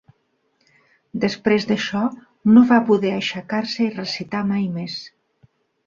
Després d'això, no va poder aixecar-se i recitar mai més.